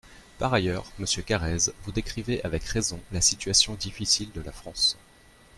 Par ailleurs, monsieur Carrez, vous décrivez, avec raison, la situation difficile de la France.